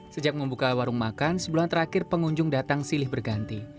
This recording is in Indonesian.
sejak membuka warung makan sebulan terakhir pengunjung datang silih berganti